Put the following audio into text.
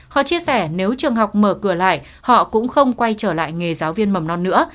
họ chia sẻ nếu trường học mở cửa lại họ cũng không quay trở lại nghề giáo viên mầm non nữa